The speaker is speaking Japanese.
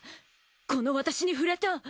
この私に触れた！？